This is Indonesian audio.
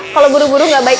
kalau buru buru gak baik